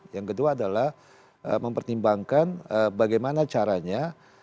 yang kedua adalah mempertimbangkan bagaimana caranya